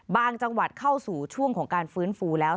จังหวัดเข้าสู่ช่วงของการฟื้นฟูแล้ว